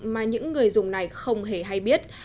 mà những người dùng này không hề hay biết